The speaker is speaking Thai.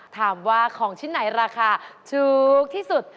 ถามว่าของชิ้นไหนราคาถูกที่สุด